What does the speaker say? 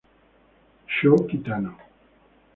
Sho Kitano